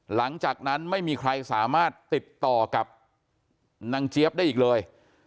หลังจากนั้นไม่มีใครสามารถติดต่อกับนางเจี๊ยบได้อีกเลย